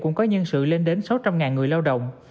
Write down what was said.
cũng có nhân sự lên đến sáu trăm linh người lao động